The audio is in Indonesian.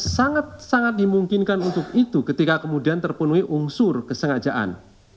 sangat sangat dimungkinkan untuk itu ketika kemudian terpenuhi unsur kesengajaan